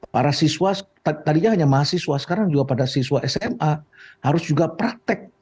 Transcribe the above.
para siswa tadinya hanya mahasiswa sekarang juga pada siswa sma harus juga praktek